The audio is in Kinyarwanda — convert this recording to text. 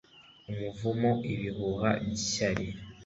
Umuvumo ibihuha byishyari